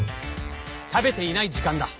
食べていない時間だ。